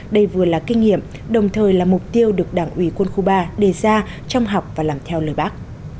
đây vừa là kinh nghiệm đồng thời là mục tiêu được đảng ủy quân khu ba đề ra trong học và làm theo lời bác